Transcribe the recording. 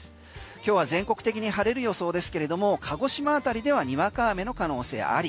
今日は全国的に晴れる予想ですけれども鹿児島あたりではにわか雨の可能性あり。